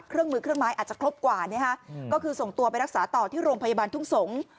เครื่องมือเครื่องไม้อาจจะครบกว่านะฮะก็คือส่งตัวไปรักษาต่อที่โรงพยาบาลทุ่งสงศ์